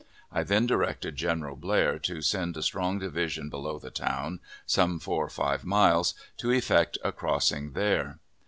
I then directed General Blair to send a strong division below the town, some four or five miles, to effect a crossing there.